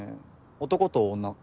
男と女。